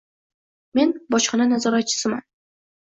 Men bojxona nazoratchisiman.